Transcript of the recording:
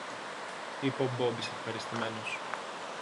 είπε ο Μπόμπης ευχαριστημένος